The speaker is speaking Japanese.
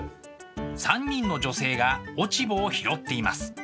３人の女性が落ち穂を拾っています。